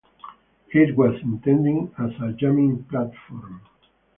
It was intended as a jamming platform.